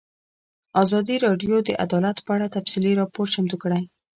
ازادي راډیو د عدالت په اړه تفصیلي راپور چمتو کړی.